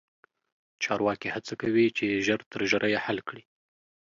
چارواکي هڅه کوي چې ژر تر ژره یې حل کړي.